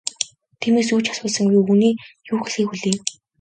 Тиймээс юу ч асуусангүй, өвгөний юу хэлэхийг хүлээв.